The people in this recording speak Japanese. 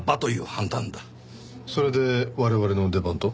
それで我々の出番と。